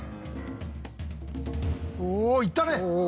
おおいったね！